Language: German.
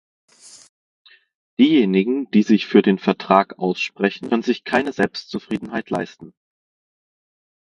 Diejenigen, die sich für den Vertrag aussprechen, können sich keine Selbstzufriedenheit leisten.